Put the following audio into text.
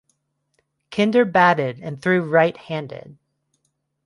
Kinder batted and threw right-handed.